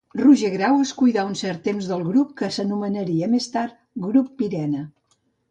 Roger Grau es cuidà un cert temps del Grup, que s'anomenaria més tard Grup Pyrene.